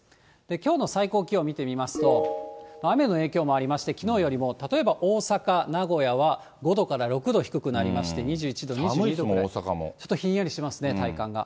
きょうの最高気温見てみますと、雨の影響もありまして、きのうよりも例えば大阪、名古屋は５度から６度低くなりまして、２１度、寒いですもん、ちょっとひんやりしてますね、体感が。